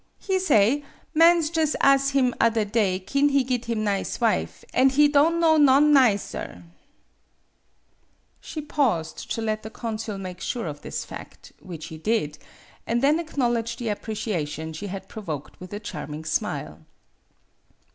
He say mans jus' as' him other day kin he git him nize wife, an' he don' know none nizer." 5 6 MADAME BUTTERFLY She paused to let the consul make sure of this fact, which he did, and then acknow ledged the appreciation she had provoked with a charming smile.